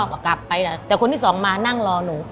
ก็กลับไปนะแต่คนที่สองมานั่งรอหนู